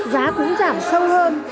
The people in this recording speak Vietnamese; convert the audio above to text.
giá cũng giảm sâu hơn